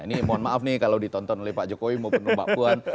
ini mohon maaf nih kalau ditonton oleh pak jokowi maupun mbak puan